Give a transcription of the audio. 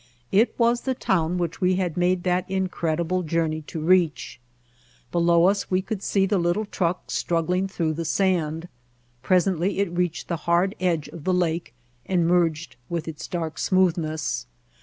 It was the town which we had made that incredible journey to reach. Below us we could see the little truck struggling through the sand. Presently it reached the hard edge of the lake and merged with its dark smoothness.